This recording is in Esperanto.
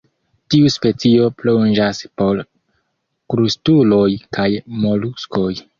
Tiu specio plonĝas por krustuloj kaj moluskoj.